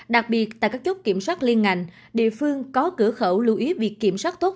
đặc biệt tại các chốt kiểm soát liên ngành địa phương có cửa khẩu lưu ý việc kiểm soát tốt